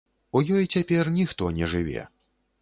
У ёй цяпер ніхто не жыве.